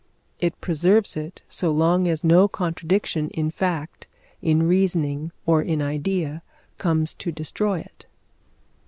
It preserves it so long as no contradiction in fact, in reasoning, or in idea, comes to destroy it.